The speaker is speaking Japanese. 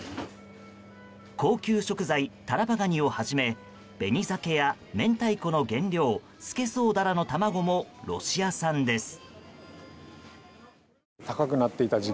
高級食材・タラバガニをはじめ紅鮭や明太子の原料スケソウダラの卵もロシア産です。